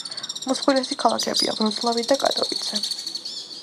უმსხვილესი ქალაქებია: ვროცლავი და კატოვიცე.